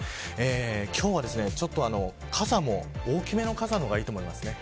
今日は大きめの傘の方がいいと思います。